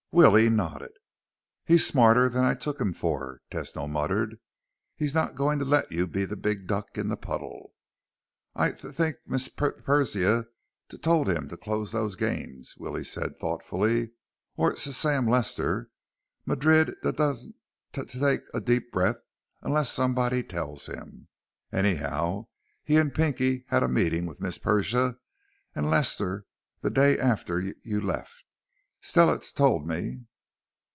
Willie nodded. "He's smarter than I took him for," Tesno muttered. "He's not going to let you be the big duck in the puddle." "I th think Miss Persia t told him to close those games," Willie said thoughtfully. "Or S Sam Lester. Madrid d don't t take a deep breath unless somebody tells him. Anyhow, he and Pinky had a m meeting with Miss Persia and Lester the d day after you left. Stella t told me."